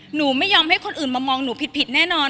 หนูไม่ยอมให้คนอื่นมามองหนูผิดแน่นอน